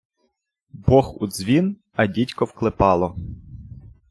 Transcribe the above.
Бог — у дзвін, а дідько — в клепало.